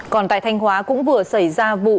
còn tại thanh hóa cũng vừa xảy ra vụ